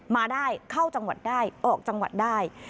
มาได้เข้าจังหวัดได้ออกจังหวัดได้